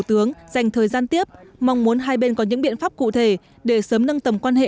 tướng dành thời gian tiếp mong muốn hai bên có những biện pháp cụ thể để sớm nâng tầm quan hệ